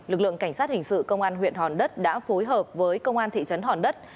lực lượng cảnh sát hình sự công an huyện hòn đất đã phối hợp với công an thị trấn hòn đất